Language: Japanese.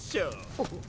あっ。